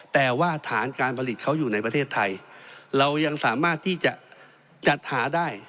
แต่ว่าฐานการผลิตเขาอยู่ในประเทศไทยเรายังสามารถที่จะจัดหาได้